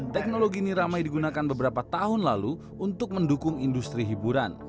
teknologi ini ramai digunakan beberapa tahun lalu untuk mendukung industri hiburan